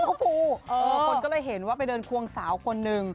คนก็เลยเห็นว่าไปเดินควงสาวคนหนึ่ง